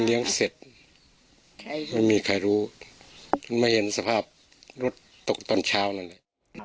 ไม่มีใครรู้ไม่เห็นสภาพรถตกตอนเช้านั้นเลย